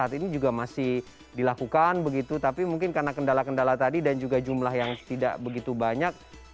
saat ini juga masih dilakukan begitu tapi mungkin karena kendala kendala tadi dan juga jumlah yang tidak begitu banyak